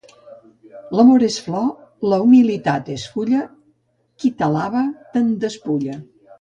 L'amor és flor, la humilitat és fulla; qui t'alaba te'n despulla.